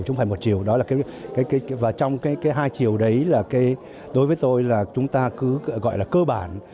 chứ không phải một chiều đó là cái cái cái và trong cái cái hai chiều đấy là cái đối với tôi là chúng ta cứ gọi là cơ bản